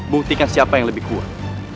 buktikan siapa yang lebih kuat